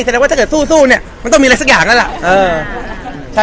ว่าถ้าเกิดสู้เนี่ยมันต้องมีอะไรสักอย่างแล้วล่ะ